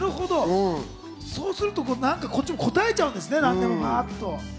そうすると、こっちも答えちゃうんですね、何でも。